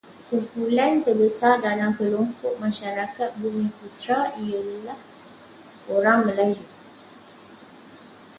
Kumpulan terbesar dalam kelompok masyarakat bumiputera ini ialah orang Melayu.